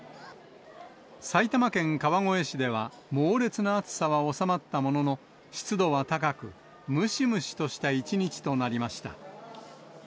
埼玉県川越市では、猛烈な暑さは収まったものの、湿度は高く、ムシムシとした一日となりました。